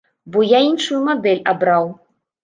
Бо я іншую мадэль абраў.